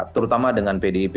terutama dengan pdip